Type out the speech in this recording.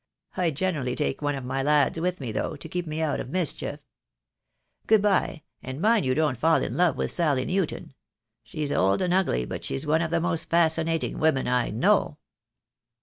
I generally take one of my lads with me, though, to keep me out of mis chief. Good bye, and mind you don't fall in love with Sally Newton. She's old and ugly, but she's one of the most fascinating women I know."